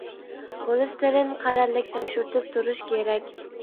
خولېستېرىن : قەرەللىك تەكشۈرتۈپ تۇرۇش كېرەك.